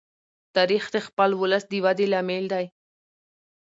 تاریخ د خپل ولس د ودې لامل دی.